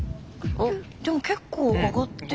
でも結構上がってる。